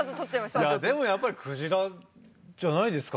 いやでもやっぱりクジラじゃないですか？